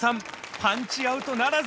パンチアウトならず！